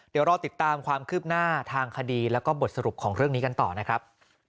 เดี๋ยวรอติดตามความคืบหน้าทางคดีแล้วก็บทสรุปของเรื่องนี้กันต่อนะครับ